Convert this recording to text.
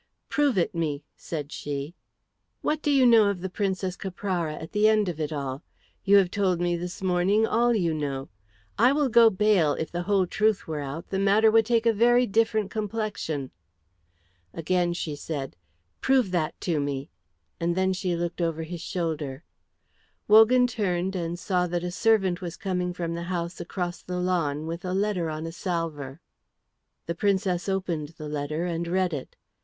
"Prove it me," said she. "What do you know of the Princess Caprara at the end of it all? You have told me this morning all you know. I will go bail if the whole truth were out the matter would take a very different complexion." Again she said, "Prove that to me!" and then she looked over his shoulder. Wogan turned and saw that a servant was coming from the house across the lawn with a letter on a salver. The Princess opened the letter and read it.